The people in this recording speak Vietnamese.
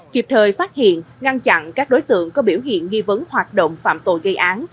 kịp thời phát hiện ngăn chặn các đối tượng có biểu hiện nghi vấn hoạt động phạm tội gây án